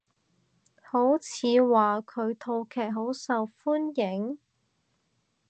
好似話佢套劇好受歡迎？